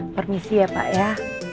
permisi ya pak ya